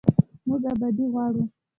موږ ابادي غواړو